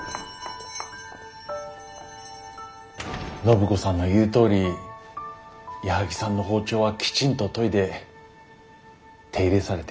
暢子さんの言うとおり矢作さんの包丁はきちんと研いで手入れされていました。